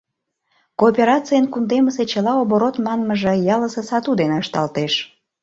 Кооперацийын кундемысе чыла оборот манмыже ялысе сату дене ышталтеш.